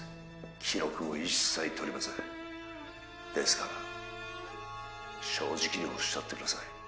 記録も一切とりませんですから正直におっしゃってください